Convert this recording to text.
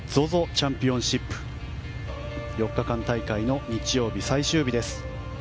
チャンピオンシップ４日間大会の日曜日最終日です。